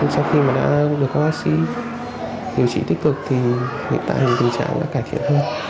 sau khi mà đã được các bác sĩ điều trị tích cực thì hiện tại thì tình trạng đã cải thiện hơn